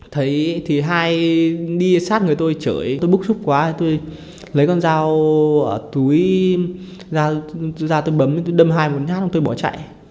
thấy thì hai đi sát người tôi chởi tôi bức xúc quá tôi lấy con dao ở túi ra tôi bấm tôi đâm hai một hát rồi tôi bỏ chạy